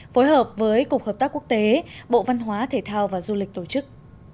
phối hợp với cục hợp tác quốc tế bộ văn hóa thể thao và du lịch tổ chức